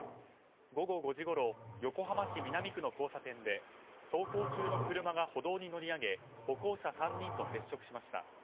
午後５時ごろ横浜市南区の交差点で走行中の車が歩道に乗り上げ歩行者３人と接触しました。